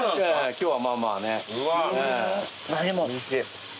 今日はまあまあね。